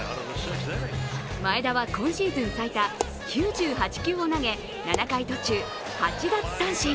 前田は今シーズン最多９８球を投げ７回途中８奪三振。